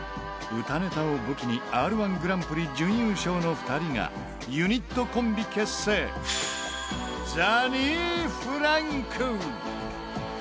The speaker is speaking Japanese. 歌ネタを武器に「Ｒ−１グランプリ」準優勝の２人がユニットを結成、ザニーフランク。